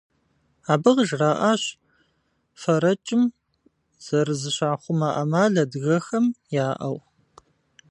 Абы къыжраӏащ фэрэкӏым зэрызыщахъумэ ӏэмал адыгэхэм яӏэу.